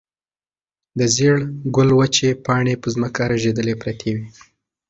د زېړ ګل وچې پاڼې په ځمکه رژېدلې پرتې وې.